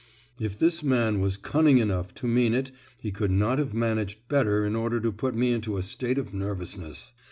"If this man was cunning enough to mean it he could not have managed better in order to put me into a state of nervousness!"